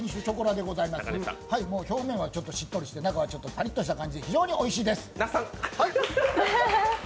表面はちょっとしっとりして、中はパリッとした感じで非常においしいです！